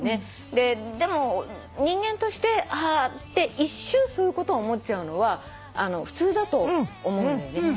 でも人間として「ああ」って一瞬そういうこと思っちゃうのは普通だと思うんだよね。